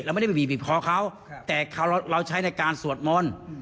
ไม่ได้ไปบีบคอเขาแต่เราใช้ในการสวดมนต์